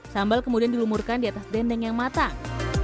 sambal kemudian dilumurkan di atas dendeng yang matang